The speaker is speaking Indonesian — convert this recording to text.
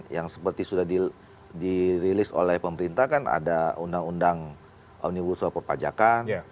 yang seperti sudah dirilis oleh pemerintah kan ada undang undang omnibus law perpajakan